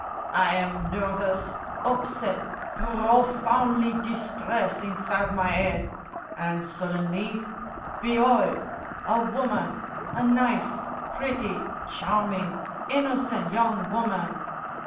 I am nervous, upset, pr r ro foun'ly distress inside my 'ead! An' suddenly—be'old! A woman, a nice, pretty, charming, innocen' young woman!